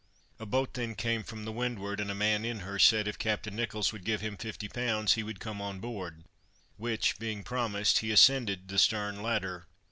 A boat then came from the windward, and a man in her said, if Captain Nicholls would give him fifty pounds, he would come on board, which being promised, he ascended the stern ladder.